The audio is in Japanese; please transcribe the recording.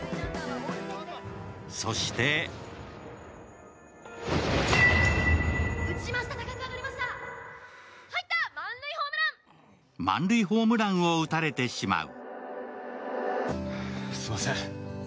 そして満塁ホームランを打たれてしまう。